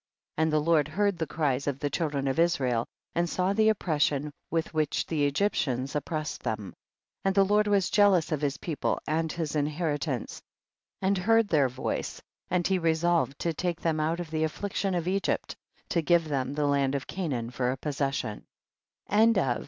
15. And the Lord heard the cries of the children of Israel, and saw the oppression with which the Egyptians oppressed them. 16. And the Lord was jealous of his people and his inheritance,* and heard their voice, and he resolved to take them out of the aflSiction of Egypt, to give them the land of Ca naan for a possession.